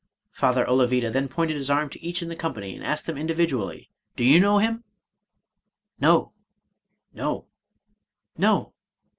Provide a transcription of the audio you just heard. " Father Olavida then pointed his arm to each of the company, and asked each individually, " Do you know him ?" No ! no 1 no